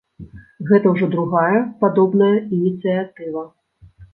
Гэта ўжо другая падобная ініцыятыва.